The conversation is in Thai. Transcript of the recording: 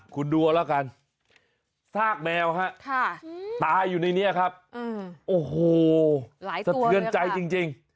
คุณดูเอาละกันซากแมวฮะตายอยู่ในนี้ครับโอ้โหสะเทือนใจจริง